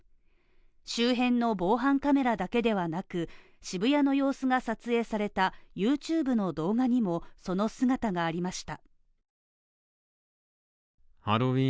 周辺の防犯カメラだけではなく渋谷の様子が撮影されたＹｏｕＴｕｂｅの動画にも、その姿がありました。